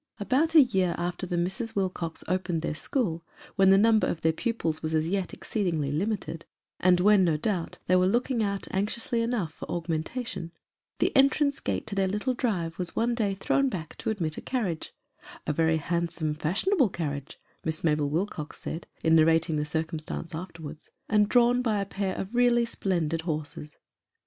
About a year after the Misses Wilcox opened their school, when the number of their pupils was as yet exceedingly limited, and when, no doubt, they were looking out anxiously enough for augmentation, the entrance gate to their little drive was one day thrown back to admit a carriage " a very handsome, fash ionable carriage," Miss Mabel Wilcox said, in narrating the circumstance afterwards and drawn by a pair of really splen did horses.